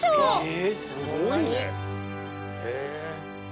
えすごいね！